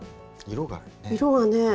色がね。